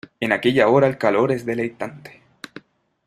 en aquella hora el calor es deleitante.